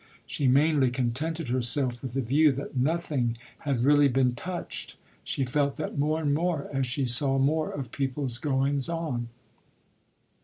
She mainly contented herself with the view that nothing had really been touched: she felt that more and more as she saw more of people's goings on.